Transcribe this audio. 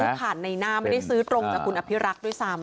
ผ่านในหน้าไม่ได้ซื้อตรงจากคุณอภิรักษ์ด้วยซ้ำ